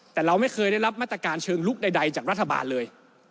แต่เราไม่เคยได้รับมาตรการเชิงลุกใดจากรัฐบาลเลย